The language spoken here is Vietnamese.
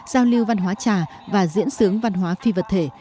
giao lưu văn hóa trà và diễn sướng văn hóa phi vật thể